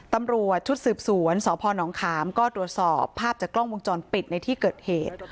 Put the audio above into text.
ตำรวจชุดสืบสวนสพนขามก็ตรวจสอบภาพจากกล้องวงจรปิดในที่เกิดเหตุ